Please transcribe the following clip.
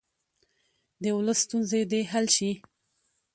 د ولس ستونزې دې حل شي.